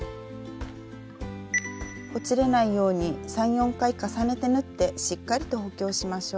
ほつれないように３４回重ねて縫ってしっかりと補強しましょう。